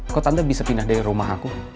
kok anda bisa pindah dari rumah aku